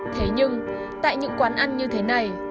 thế nhưng tại những quán ăn như thế này